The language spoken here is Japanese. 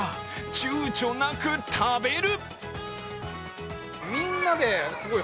ちゅうちょなく食べる！